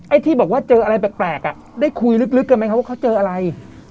ที่บอกว่าเจออะไรแปลกอ่ะได้คุยลึกกันไหมครับว่าเขาเจออะไร